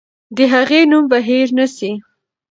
د هغې نوم به هېر نه سي.